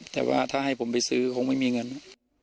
แต่ว่าถ้าให้ผมไปซื้อคงไม่มีเงิน